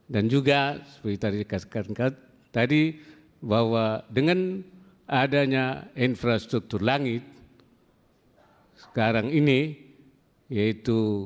dan juga seperti tadi bahwa dengan adanya infrastruktur langit sekarang ini yaitu infrastruktur